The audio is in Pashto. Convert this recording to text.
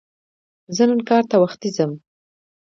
زه نن کار ته وختي ځم